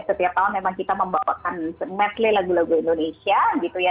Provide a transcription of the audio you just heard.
setiap tahun memang kita membawakan medley lagu lagu indonesia gitu ya